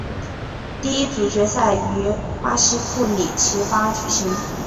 第一组决赛于巴西库里奇巴举行。